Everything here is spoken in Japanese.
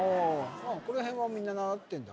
この辺はみんな習ってんだ